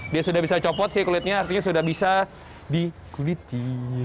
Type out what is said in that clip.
dia sudah bisa copot kulitnya artinya sudah bisa dikuliti